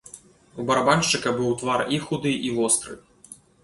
У барабаншчыка быў твар і худы і востры.